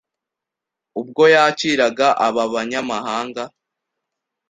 Ubwo yakiraga aba banyamahanga,